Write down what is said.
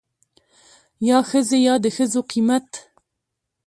يا ښځې يا دښځو قيمت.